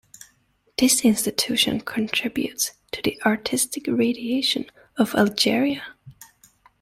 This institution contributed to the artistic radiation of Algeria.